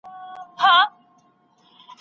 د تجربو په لړ کي نوي حقایق موندل کېږي.